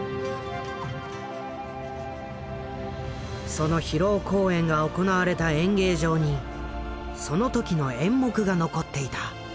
その披露公演が行われた演芸場にその時の演目が残っていた。